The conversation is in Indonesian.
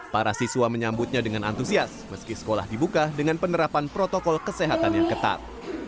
para siswa menyambutnya dengan antusias meski sekolah dibuka dengan penerapan protokol kesehatan yang ketat